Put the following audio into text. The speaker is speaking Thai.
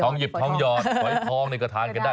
ทองหยิบทองหยอดปล่อยทองก็ทานกันได้